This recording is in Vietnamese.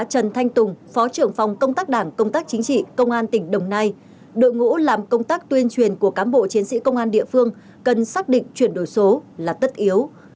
trần thanh tùng phó trưởng phòng công tác đảng công tác chính trị công an tỉnh đồng nai đội ngũ làm công tác tuyên truyền của cám bộ chiến sĩ công an địa phương cần xác định chuyển đổi số là tất yếu